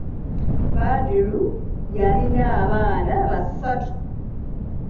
Badru yalina abaana basatu.